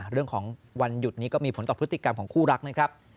วันหยุดนี้ก็มีผลต่อพฤติกรรมของคู่รักนะครับ